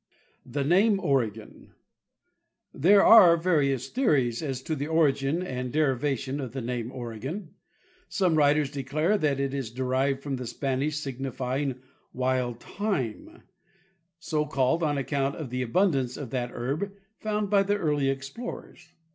The Name Oregon. There are various theories as to the origin and derivation of the name " Oregon." Some writers declare that it is derived from the Spanish, signifying " wild thyme," so called on account of the abundance of that herb found by early explorers.